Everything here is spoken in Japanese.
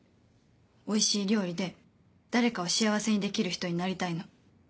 おいしい料理で誰かを幸せにできる人になりたいの。